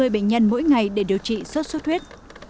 hai mươi bệnh nhân mỗi ngày để điều trị sốt xuất huyết